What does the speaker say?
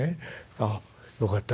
「あっよかった。